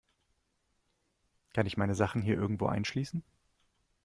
Kann ich meine Sachen hier irgendwo einschließen?